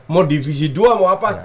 mau divisi dua mau apa